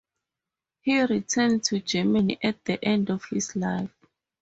He returned to Germany at the end of his life.